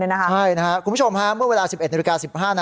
ใช่คุณผู้ชมเมื่อเวลา๑๑น๑๕น